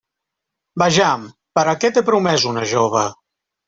Vejam: per a què té promès una jove?